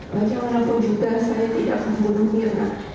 bagaimanapun juga saya tidak membunuh mirna